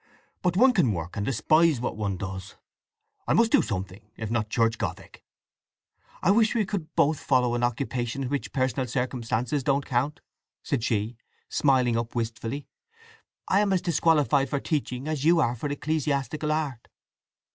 But one can work, and despise what one does. I must do something, if not church gothic." "I wish we could both follow an occupation in which personal circumstances don't count," she said, smiling up wistfully. "I am as disqualified for teaching as you are for ecclesiastical art.